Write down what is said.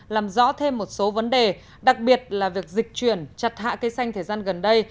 làm rõ thêm một số vấn đề đặc biệt là việc dịch chuyển chặt hạ cây xanh thời gian gần đây